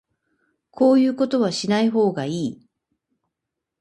こういうことはしない方がいい